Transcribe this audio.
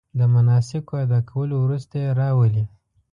د مناسکو ادا کولو وروسته یې راولي.